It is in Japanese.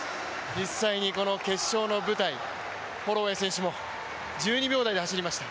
実際に、この決勝の舞台、ホロウェイ選手も１２秒台で走りました。